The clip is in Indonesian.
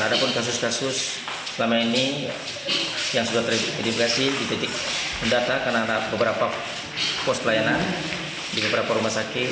ada pun kasus kasus selama ini yang sudah teridentifikasi di titik mendata karena ada beberapa pos pelayanan di beberapa rumah sakit